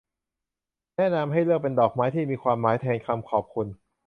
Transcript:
แนะนำให้เลือกเป็นดอกไม้ที่มีความหมายแทนคำขอบคุณ